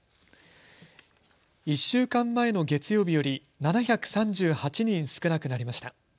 １週間前の月曜日より７３８人少なくなりました。